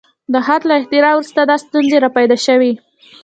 د خط له اختراع وروسته دا ستونزې راپیدا شوې.